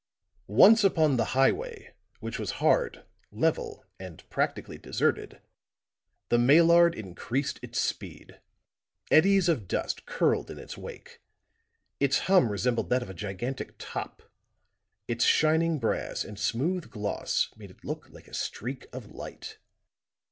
Once upon the highway, which was hard, level and practically deserted, the Maillard increased its speed. Eddies of dust curled in its wake; its hum resembled that of a gigantic top; its shining brass and smooth gloss made it look like a streak of light.